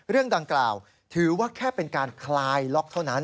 เรื่องดังกล่าวถือว่าแค่เป็นการคลายล็อกเท่านั้น